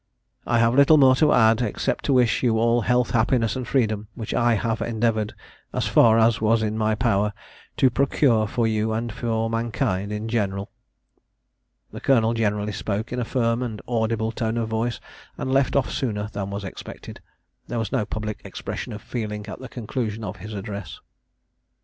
] "I have little more to add, except to wish you all health, happiness, and freedom, which I have endeavoured, as far as was in my power, to procure for you and for mankind in general." The Colonel generally spoke in a firm and audible tone of voice, and left off sooner than was expected. There was no public expression of feeling at the conclusion of his address.